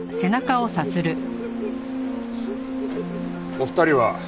お二人は？